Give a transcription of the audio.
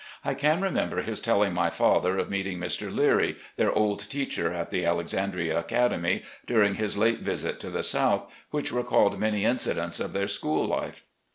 I can remember his telling my father of meeting Mr. Leary, their old teacher at the Alexandria Academy, during his late visit to the South, which recalled many incidents of their school life.